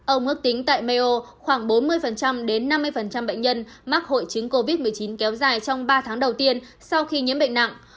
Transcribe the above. ông ước tính tại maio khoảng bốn mươi đến năm mươi bệnh nhân mắc hội chứng covid một mươi chín kéo dài trong ba tháng đầu tiên sau khi nhiễm bệnh nặng